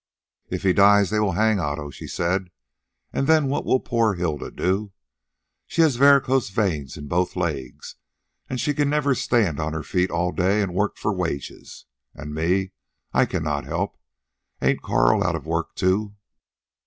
"If he dies, they will hang Otto," she said. "And then what will poor Hilda do? She has varicose veins in both legs, and she never can stand on her feet all day an' work for wages. And me, I cannot help. Ain't Carl out of work, too?"